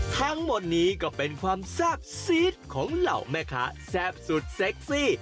ทั้งหมดนี้ก็เป็นความแซ่บซีดของเหล่าแม่ค้าแซ่บสุดเซ็กซี่